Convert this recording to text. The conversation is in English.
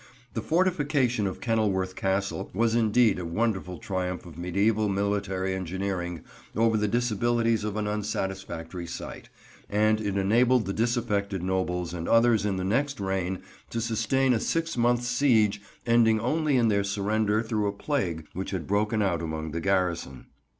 The fortification of Kenilworth Castle was indeed a wonderful triumph of mediæval military engineering over the disabilities of an unsatisfactory site, and it enabled the disaffected nobles and others in the next reign to sustain a six months' siege ending only in their surrender through a plague which had broken out among the garrison.